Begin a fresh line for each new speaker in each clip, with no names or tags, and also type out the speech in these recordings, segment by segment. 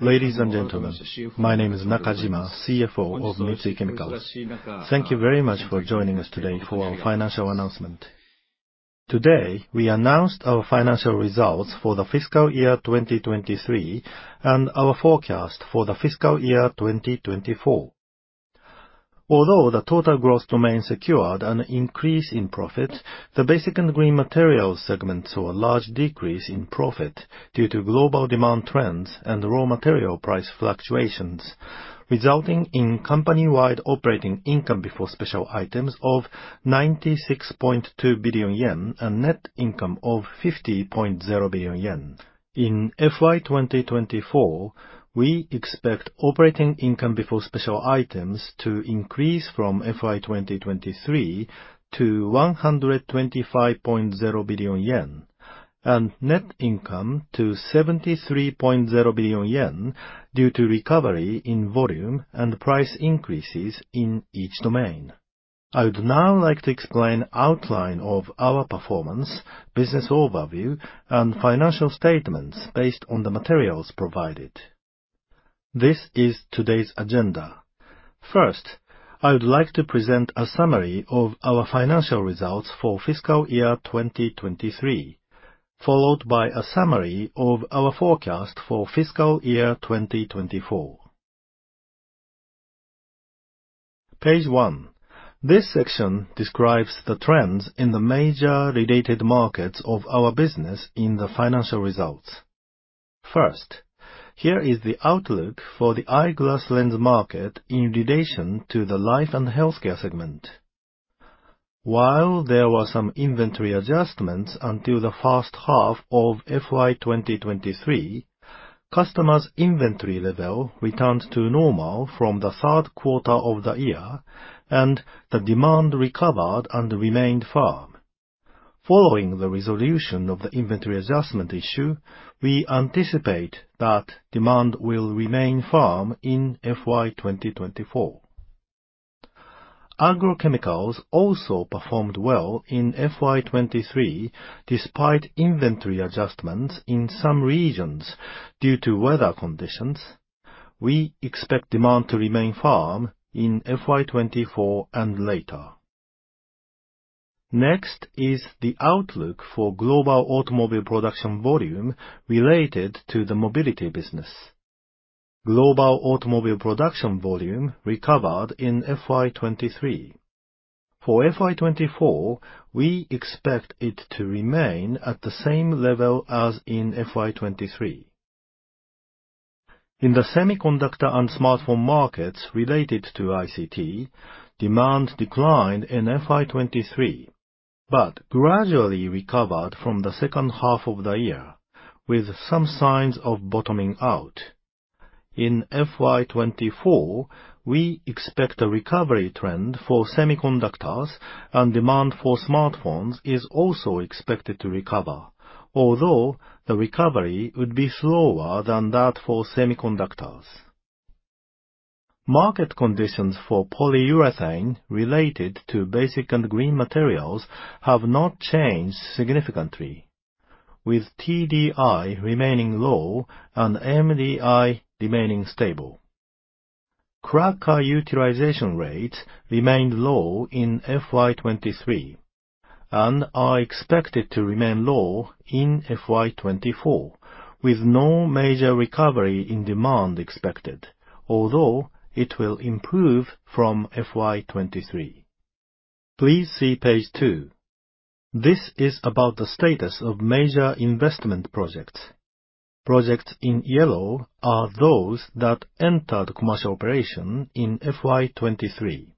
Ladies and gentlemen, my name is Nakajima, CFO of Mitsui Chemicals. Thank you very much for joining us today for our financial announcement. Today we announced our financial results for the fiscal year 2023 and our forecast for the fiscal year 2024. Although the total growth domain secured an increase in profit, the Basic and Green Materials segments saw a large decrease in profit due to global demand trends and raw material price fluctuations, resulting in company-wide operating income before special items of 96.2 billion yen and net income of 50.0 billion yen. In FY 2024, we expect operating income before special items to increase from FY 2023 to 125.0 billion yen and net income to 73.0 billion yen due to recovery in volume and price increases in each domain. I would now like to explain the outline of our performance, business overview, and financial statements based on the materials provided. This is today's agenda. First, I would like to present a summary of our financial results for fiscal year 2023, followed by a summary of our forecast for fiscal year 2024. Page 1. This section describes the trends in the major related markets of our business in the financial results. First, here is the outlook for the eyeglass lens market in relation to the Life and Healthcare segment. While there were some inventory adjustments until the first half of FY 2023, customers' inventory level returned to normal from the third quarter of the year, and the demand recovered and remained firm. Following the resolution of the inventory adjustment issue, we anticipate that demand will remain firm in FY 2024. Agrochemicals also performed well in FY 2023 despite inventory adjustments in some regions due to weather conditions. We expect demand to remain firm in FY 2024 and later. Next is the outlook for global automobile production volume related to the mobility business. Global automobile production volume recovered in FY 2023. For FY 2024, we expect it to remain at the same level as in FY 2023. In the semiconductor and smartphone markets related to ICT, demand declined in FY 2023 but gradually recovered from the second half of the year with some signs of bottoming out. In FY 2024, we expect a recovery trend for semiconductors, and demand for smartphones is also expected to recover, although the recovery would be slower than that for semiconductors. Market conditions for polyurethane related to Basic and Green Materials have not changed significantly, with TDI remaining low and MDI remaining stable. Cracker utilization rates remained low in FY 2023 and are expected to remain low in FY 2024, with no major recovery in demand expected, although it will improve from FY 2023. Please see page 2. This is about the status of major investment projects. Projects in yellow are those that entered commercial operation in FY 2023.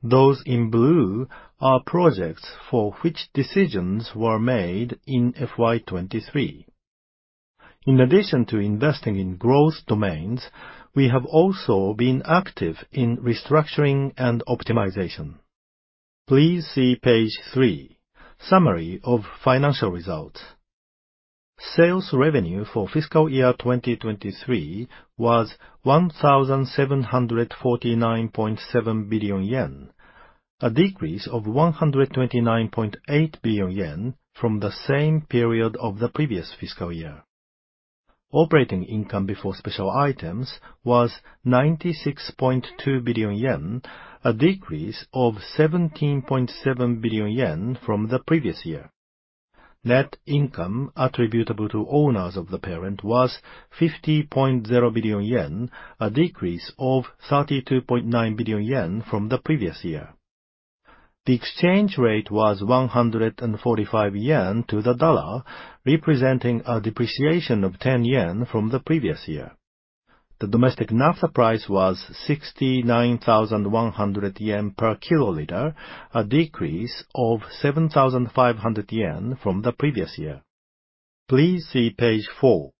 Those in blue are projects for which decisions were made in FY 2023. In addition to investing in growth domains, we have also been active in restructuring and optimization. Please see page 3, summary of financial results. Sales revenue for fiscal year 2023 was 1,749.7 billion yen, a decrease of 129.8 billion yen from the same period of the previous fiscal year. Operating income before special items was 96.2 billion yen, a decrease of 17.7 billion yen from the previous year. Net income attributable to owners of the parent was 50.0 billion yen, a decrease of 32.9 billion yen from the previous year. The exchange rate was 145 yen to the dollar, representing a depreciation of 10 yen from the previous year. The domestic naphtha price was 69,100 yen per kiloliter, a decrease of 7,500 yen from the previous year. Please see page 4.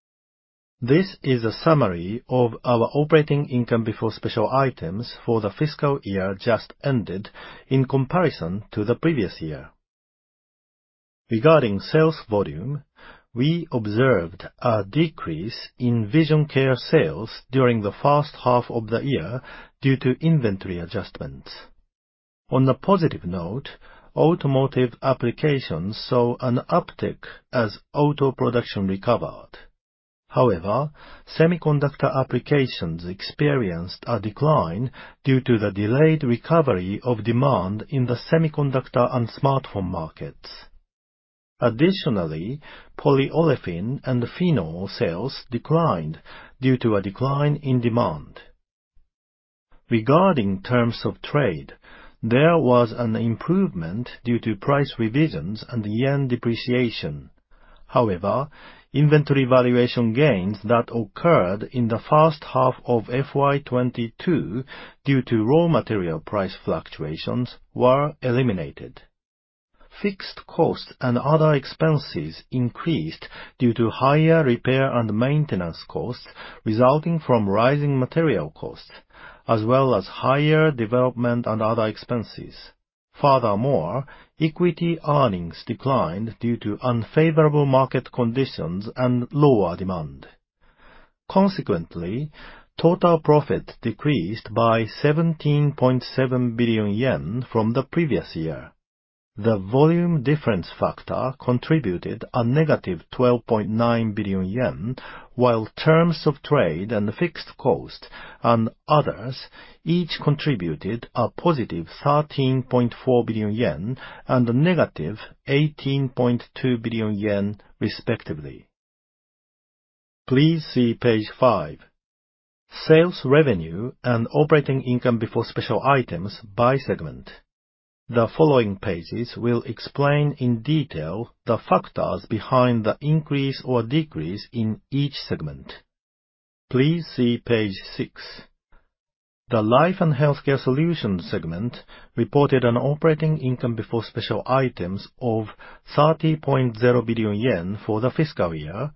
This is a summary of our operating income before special items for the fiscal year just ended in comparison to the previous year. Regarding sales volume, we observed a decrease in vision care sales during the first half of the year due to inventory adjustments. On a positive note, automotive applications saw an uptick as auto production recovered. However, semiconductor applications experienced a decline due to the delayed recovery of demand in the semiconductor and smartphone markets. Additionally, Polyolefin and Phenol sales declined due to a decline in demand. Regarding terms of trade, there was an improvement due to price revisions and yen depreciation. However, inventory valuation gains that occurred in the first half of FY 2022 due to raw material price fluctuations were eliminated. Fixed costs and other expenses increased due to higher repair and maintenance costs resulting from rising material costs, as well as higher development and other expenses. Furthermore, equity earnings declined due to unfavorable market conditions and lower demand. Consequently, total profit decreased by 17.7 billion yen from the previous year. The volume difference factor contributed a negative 12.9 billion yen, while terms of trade and fixed costs and others each contributed a positive 13.4 billion yen and a negative 18.2 billion yen, respectively. Please see page 5. Sales revenue and operating income before special items by segment. The following pages will explain in detail the factors behind the increase or decrease in each segment. Please see page 6. The Life and Healthcare Solutions segment reported an operating income before special items of 30.0 billion yen for the fiscal year,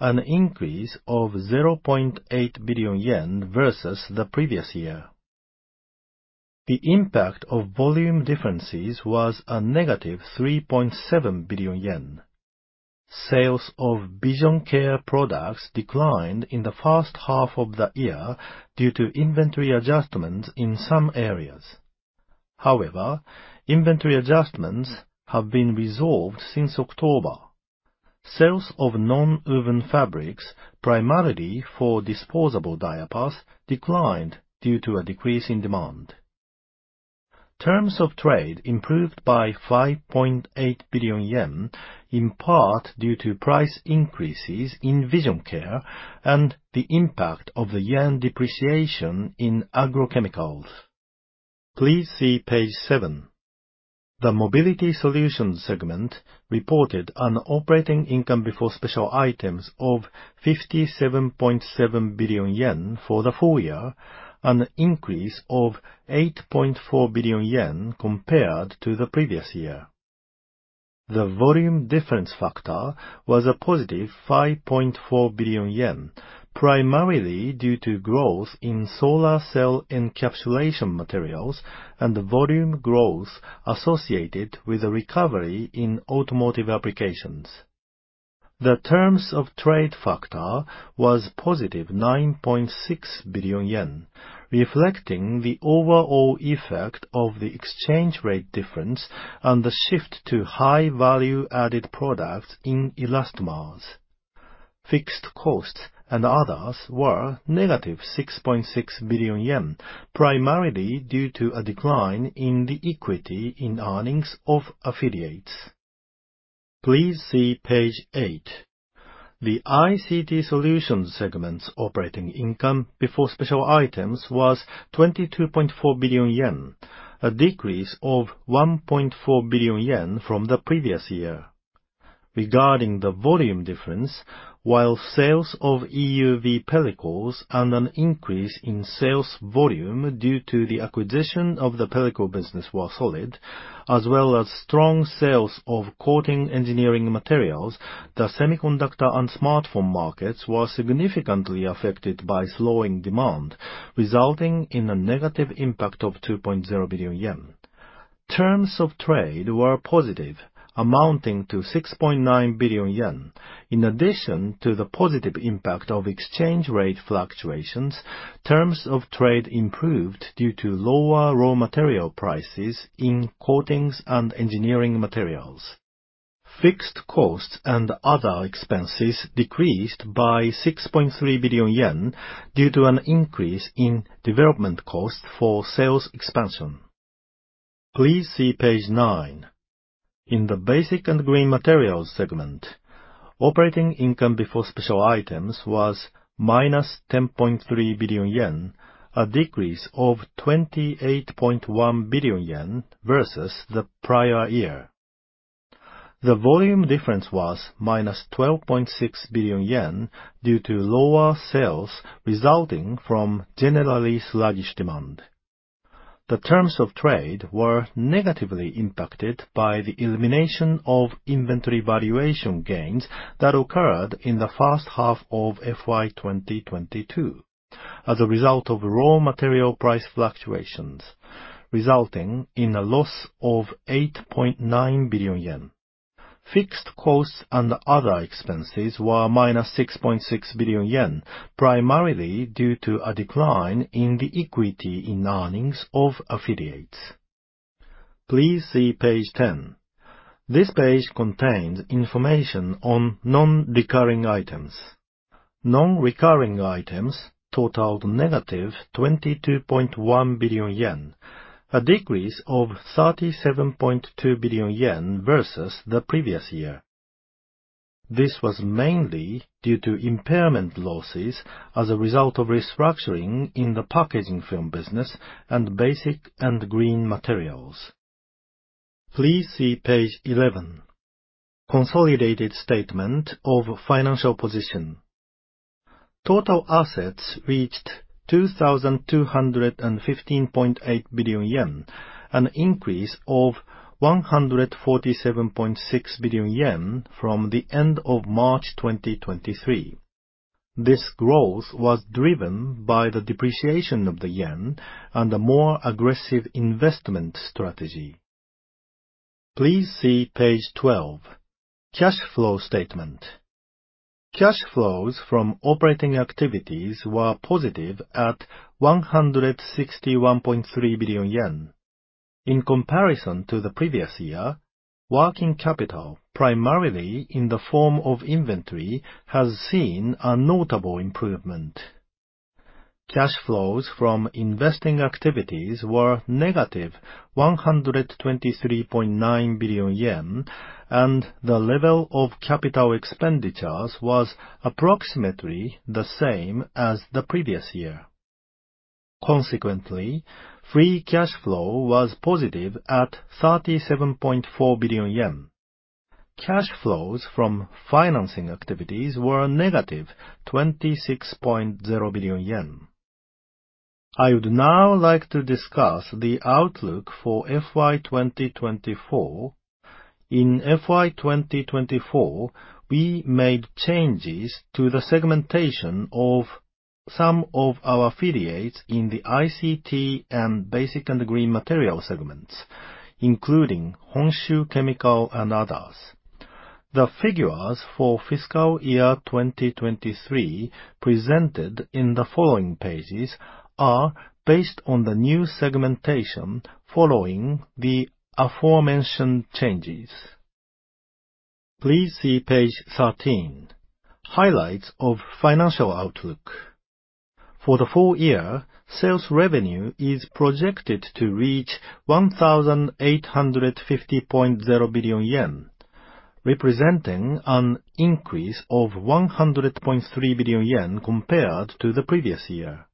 an increase of 0.8 billion yen versus the previous year. The impact of volume differences was a negative 3.7 billion yen. Sales of vision care products declined in the first half of the year due to inventory adjustments in some areas. However, inventory adjustments have been resolved since October. Sales of non-woven fabrics, primarily for disposable diapers, declined due to a decrease in demand. Terms of trade improved by 5.8 billion yen, in part due to price increases in vision care and the impact of the yen depreciation in agrochemicals. Please see page 7. The Mobility Solutions segment reported an operating income before special items of 57.7 billion yen for the full year, an increase of 8.4 billion yen compared to the previous year. The volume difference factor was a positive 5.4 billion yen, primarily due to growth in solar cell encapsulation materials and volume growth associated with recovery in automotive applications. The terms of trade factor was positive 9.6 billion yen, reflecting the overall effect of the exchange rate difference and the shift to high value-added products in elastomers. Fixed costs and others were negative 6.6 billion yen, primarily due to a decline in the equity in earnings of affiliates. Please see page 8. The ICT Solutions segment's operating income before special items was 22.4 billion yen, a decrease of 1.4 billion yen from the previous year. Regarding the volume difference, while sales of EUV pellicles and an increase in sales volume due to the acquisition of the pellicle business were solid, as well as strong sales of coating engineering materials, the semiconductor and smartphone markets were significantly affected by slowing demand, resulting in a negative impact of 2.0 billion yen. Terms of trade were positive, amounting to 6.9 billion yen. In addition to the positive impact of exchange rate fluctuations, terms of trade improved due to lower raw material prices in coatings and engineering materials. Fixed costs and other expenses decreased by 6.3 billion yen due to an increase in development costs for sales expansion. Please see page 9. In the basic and green materials segment, operating income before special items was -10.3 billion yen, a decrease of 28.1 billion yen versus the prior year. The volume difference was -12.6 billion yen due to lower sales resulting from generally sluggish demand. The terms of trade were negatively impacted by the elimination of inventory valuation gains that occurred in the first half of FY 2022 as a result of raw material price fluctuations, resulting in a loss of 8.9 billion yen. Fixed costs and other expenses were -6.6 billion yen, primarily due to a decline in the equity in earnings of affiliates. Please see page 10. This page contains information on non-recurring items. Non-recurring items totaled -22.1 billion yen, a decrease of 37.2 billion yen versus the previous year. This was mainly due to impairment losses as a result of restructuring in the packaging film business and Basic and Green Materials. Please see page 11. Consolidated statement of financial position. Total assets reached 2,215.8 billion yen, an increase of 147.6 billion yen from the end of March 2023. This growth was driven by the depreciation of the yen and a more aggressive investment strategy. Please see page 12. Cash flow statement. Cash flows from operating activities were positive at 161.3 billion yen. In comparison to the previous year, working capital, primarily in the form of inventory, has seen a notable improvement. Cash flows from investing activities were negative 123.9 billion yen, and the level of capital expenditures was approximately the same as the previous year. Consequently, free cash flow was positive at 37.4 billion yen. Cash flows from financing activities were negative 26.0 billion yen. I would now like to discuss the outlook for FY 2024. In FY 2024, we made changes to the segmentation of some of our affiliates in the ICT and Basic and Green Materials segments, including Honshu Chemical and others. The figures for fiscal year 2023 presented in the following pages are based on the new segmentation following the aforementioned changes. Please see page 13. Highlights of financial outlook. For the full year, sales revenue is projected to reach 1,850.0 billion yen, representing an increase of 100.3 billion yen compared to the previous year.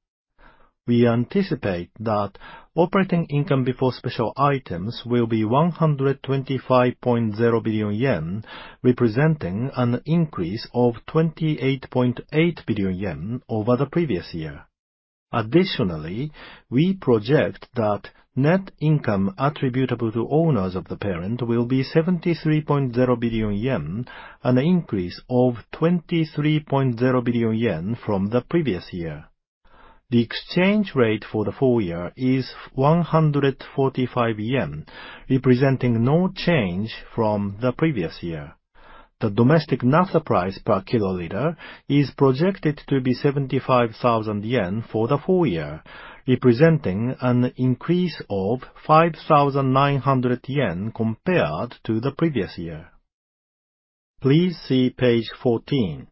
We anticipate that operating income before special items will be 125.0 billion yen, representing an increase of 28.8 billion yen over the previous year. Additionally, we project that net income attributable to owners of the parent will be 73.0 billion yen, an increase of 23.0 billion yen from the previous year. The exchange rate for the full year is 145 yen, representing no change from the previous year. The domestic naphtha price per kiloliter is projected to be 75,000 yen for the full year, representing an increase of 5,900 yen compared to the previous year. Please see page 14.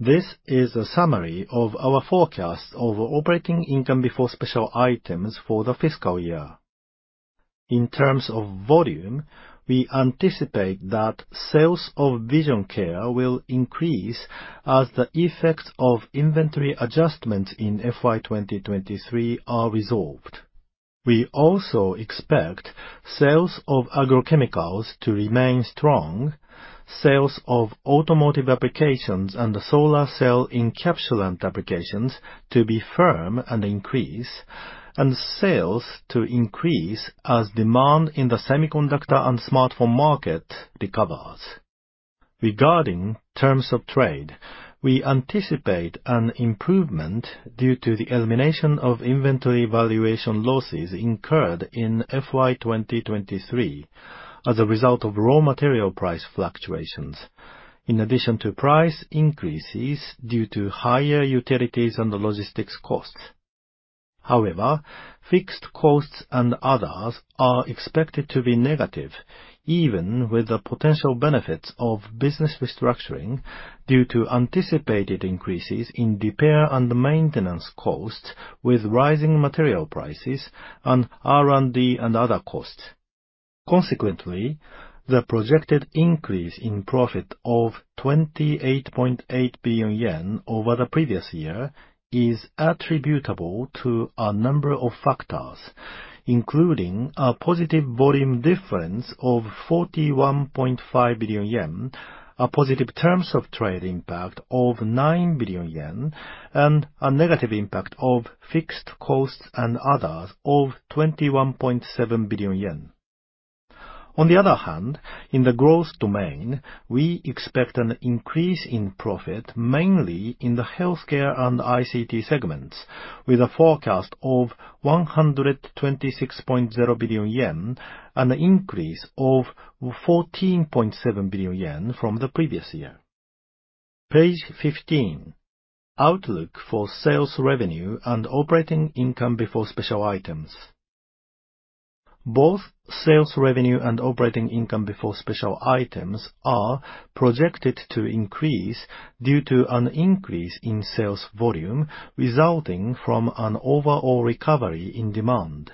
This is a summary of our forecasts of operating income before special items for the fiscal year. In terms of volume, we anticipate that sales of vision care will increase as the effects of inventory adjustments in FY 2023 are resolved. We also expect sales of agrochemicals to remain strong, sales of automotive applications and solar cell encapsulant applications to be firm and increase, and sales to increase as demand in the semiconductor and smartphone market recovers. Regarding terms of trade, we anticipate an improvement due to the elimination of inventory valuation losses incurred in FY 2023 as a result of raw material price fluctuations, in addition to price increases due to higher utilities and logistics costs. However, fixed costs and others are expected to be negative, even with the potential benefits of business restructuring due to anticipated increases in repair and maintenance costs with rising material prices and R&D and other costs. Consequently, the projected increase in profit of 28.8 billion yen over the previous year is attributable to a number of factors, including a positive volume difference of 41.5 billion yen, a positive terms of trade impact of 9 billion yen, and a negative impact of fixed costs and others of 21.7 billion yen. On the other hand, in the growth domain, we expect an increase in profit mainly in the healthcare and ICT segments, with a forecast of 126.0 billion yen, an increase of 14.7 billion yen from the previous year. Page 15. Outlook for sales revenue and operating income before special items. Both sales revenue and operating income before special items are projected to increase due to an increase in sales volume resulting from an overall recovery in demand.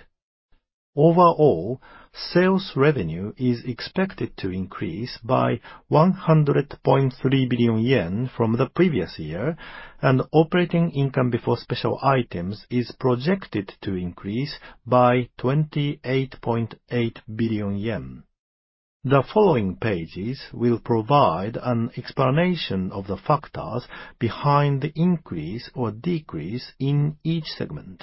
Overall, sales revenue is expected to increase by 100.3 billion yen from the previous year, and operating income before special items is projected to increase by 28.8 billion yen. The following pages will provide an explanation of the factors behind the increase or decrease in each segment.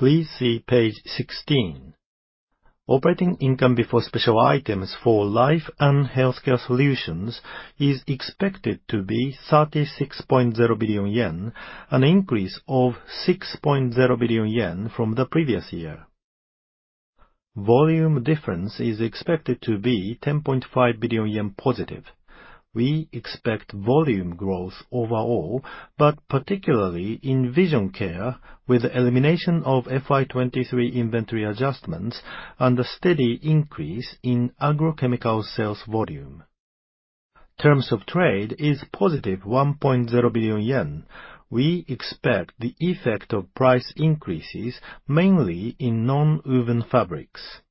Please see page 16. Operating income before special items for Life and Healthcare Solutions is expected to be 36.0 billion yen, an increase of 6.0 billion yen from the previous year. Volume difference is expected to be 10.5 billion yen positive. We expect volume growth overall, but particularly in vision care, with the elimination of FY 2023 inventory adjustments and a steady increase in agrochemical sales volume. Terms of trade is positive 1.0 billion yen. We expect the effect of price increases mainly in non-woven fabrics.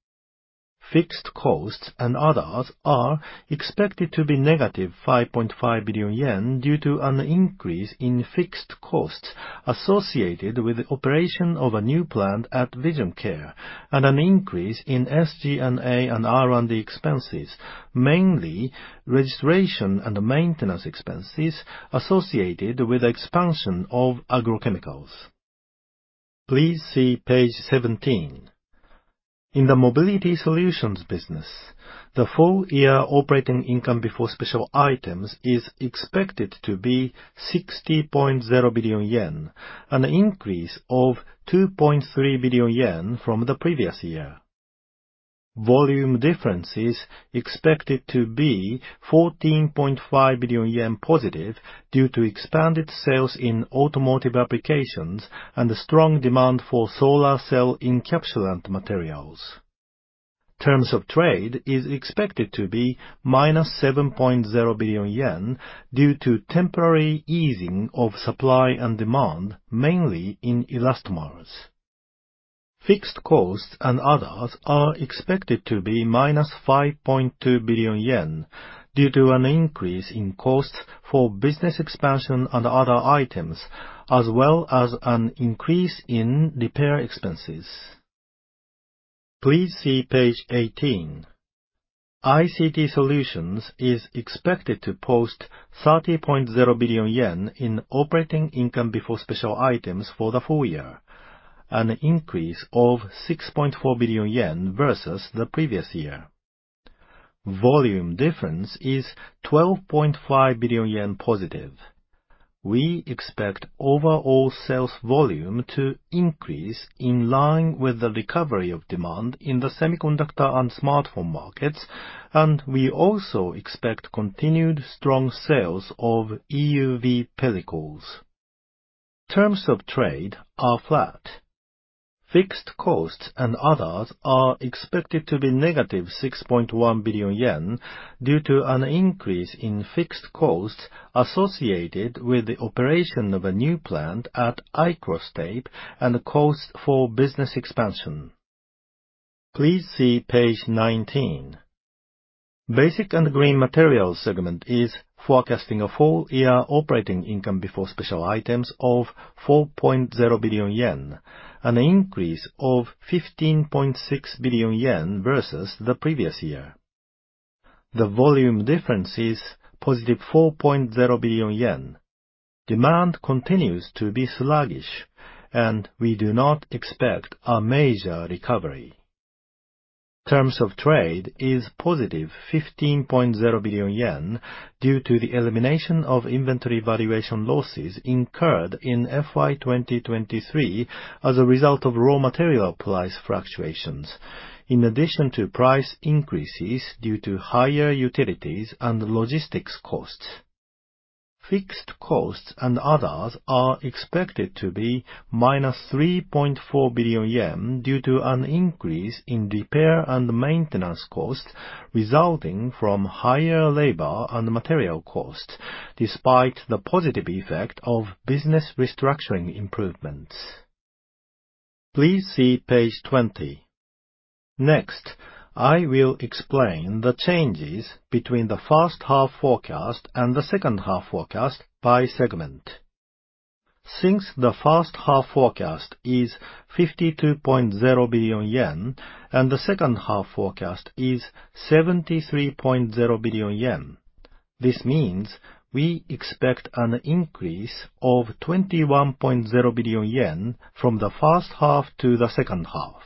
Fixed costs and others are expected to be negative 5.5 billion yen due to an increase in fixed costs associated with the operation of a new plant at vision care and an increase in SG&A and R&D expenses, mainly registration and maintenance expenses associated with the expansion of agrochemicals. Please see page 17. In the Mobility Solutions business, the full year operating income before special items is expected to be 60.0 billion yen, an increase of 2.3 billion yen from the previous year. Volume difference is expected to be 14.5 billion yen positive due to expanded sales in automotive applications and strong demand for solar cell encapsulant materials. Terms of trade is expected to be minus 7.0 billion yen due to temporary easing of supply and demand, mainly in elastomers. Fixed costs and others are expected to be -5.2 billion yen due to an increase in costs for business expansion and other items, as well as an increase in repair expenses. Please see page 18. ICT Solutions is expected to post 30.0 billion yen in operating income before special items for the full year, an increase of 6.4 billion yen versus the previous year. Volume difference is +12.5 billion yen. We expect overall sales volume to increase in line with the recovery of demand in the semiconductor and smartphone markets, and we also expect continued strong sales of EUV pellicles. Terms of trade are flat. Fixed costs and others are expected to be -6.1 billion yen due to an increase in fixed costs associated with the operation of a new plant at ICROS and the costs for business expansion. Please see page 19. Basic and Green Materials segment is forecasting a full-year operating income before special items of 4.0 billion yen, an increase of 15.6 billion yen versus the previous year. The volume difference is positive 4.0 billion yen. Demand continues to be sluggish, and we do not expect a major recovery. Terms of trade is positive 15.0 billion yen due to the elimination of inventory valuation losses incurred in FY 2023 as a result of raw material price fluctuations, in addition to price increases due to higher utilities and logistics costs. Fixed costs and others are expected to be minus 3.4 billion yen due to an increase in repair and maintenance costs resulting from higher labor and material costs, despite the positive effect of business restructuring improvements. Please see page 20. Next, I will explain the changes between the first half forecast and the second half forecast by segment. Since the first half forecast is 52.0 billion yen and the second half forecast is 73.0 billion yen, this means we expect an increase of 21.0 billion yen from the first half to the second half.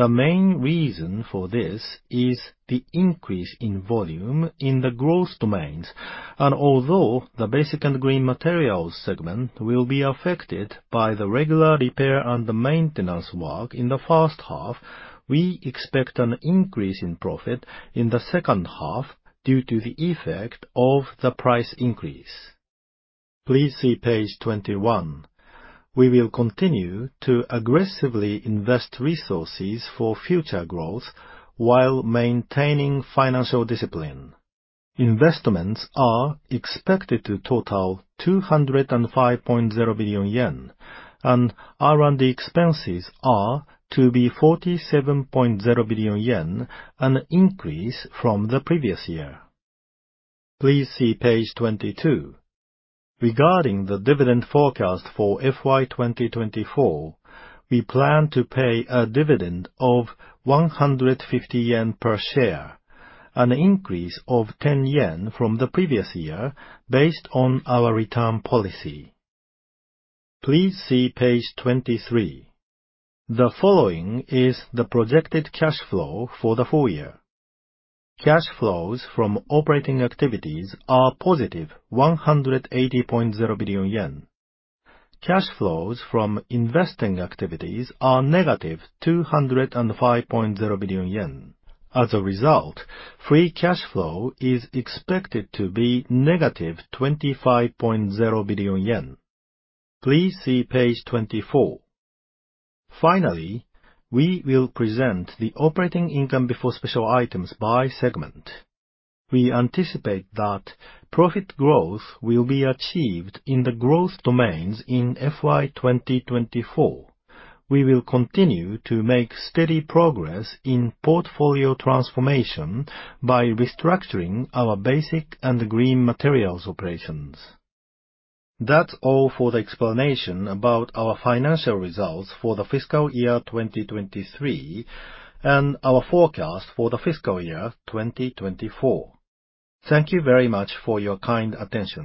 The main reason for this is the increase in volume in the growth domains. Although the Basic and Green Materials segment will be affected by the regular repair and the maintenance work in the first half, we expect an increase in profit in the second half due to the effect of the price increase. Please see page 21. We will continue to aggressively invest resources for future growth while maintaining financial discipline. Investments are expected to total 205.0 billion yen, and R&D expenses are to be 47.0 billion yen, an increase from the previous year. Please see page 22. Regarding the dividend forecast for FY 2024, we plan to pay a dividend of 150 yen per share, an increase of 10 yen from the previous year based on our return policy. Please see page 23. The following is the projected cash flow for the full year. Cash flows from operating activities are positive 180.0 billion yen. Cash flows from investing activities are negative 205.0 billion yen. As a result, free cash flow is expected to be negative 25.0 billion yen. Please see page 24. Finally, we will present the operating income before special items by segment. We anticipate that profit growth will be achieved in the growth domains in FY 2024. We will continue to make steady progress in portfolio transformation by restructuring our Basic and Green Materials operations. That's all for the explanation about our financial results for the fiscal year 2023 and our forecast for the fiscal year 2024. Thank you very much for your kind attention.